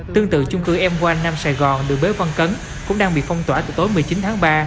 tương tự trung cư m một nam sài gòn đường bế văn cấn cũng đang bị phong tỏa từ tối một mươi chín tháng ba